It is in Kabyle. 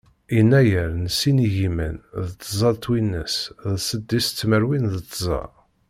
Yennayer n sin igiman d tẓa twinas d seddis tmerwin d tẓa.